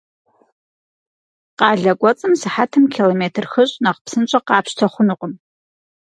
Къалэ кӏуэцӏым сыхьэтым километр хыщӏ нэхъ псынщӏэ къапщтэ хъунукъым.